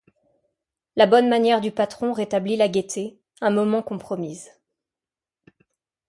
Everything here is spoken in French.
La bonne manière du patron rétablit la gaieté, un moment compromise.